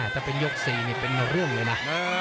ถ้าเป็นยก๔นี่เป็นเรื่องเลยนะ